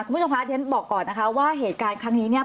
คุณผู้ชมคะเดี๋ยวบอกก่อนนะคะว่าเหตุการณ์ครั้งนี้เนี่ย